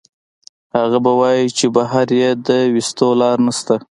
هغه به وائي چې بهر ئې د ويستو لار نشته